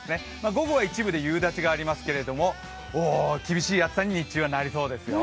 午後は一部で夕立がありますけれども厳しい暑さに日中はなりそうですよ。